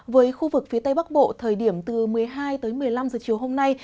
với khu vực phía tây bắc bộ thời điểm từ một mươi hai tới một mươi năm giờ chiều hôm nay